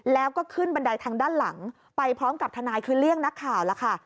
แล้วก็ขึ้นบันไดทางด้านหลังไปพร้อมกับทนายคือเรียกนักข่าวแล้วค่ะ